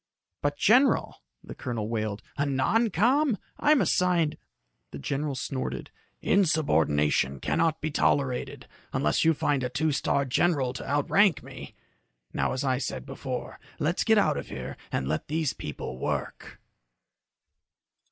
"But, general," the colonel wailed, "a noncom? I'm assigned " The general snorted. "Insubordination cannot be tolerated unless you find a two star general to outrank me. Now, as I said before, let's get out of here and let these people work."